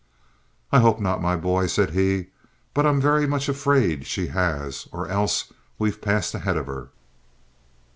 "I hope not, my boy," said he; "but I'm very much afraid she has, or else we've passed ahead of her."